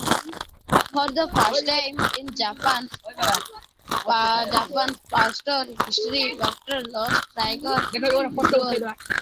For the first time in Japan's postwar history, bureaucrats lost their leading role.